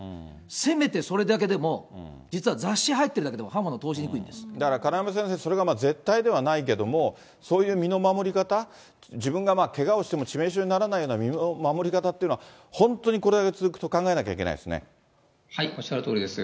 せめてそれだけでも、実は雑誌入ってるだけでも、だから金山先生、それが絶対ではないけども、そういう身の守り方、自分がけがをしても致命傷にならないような身の守り方っていうのは、本当にこれ、おっしゃるとおりです。